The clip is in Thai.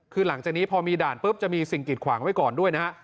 คือหลังจากนี้พอมีด่านปุ๊บจะมีสิ่งกิดขวางไว้ก่อนด้วยนะฮะ